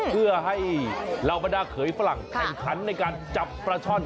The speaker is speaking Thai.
เพื่อให้เหล่าบรรดาเขยฝรั่งแข่งขันในการจับปลาช่อน